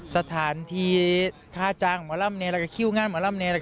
สถานที่ท่าจางหมอล่ำนี้และคิวงานหมอล่ำนี้